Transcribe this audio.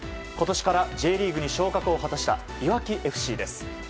今年からＪリーグに昇格を果たした、いわきＦＣです。